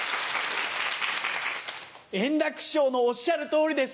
円楽師匠のおっしゃる通りです。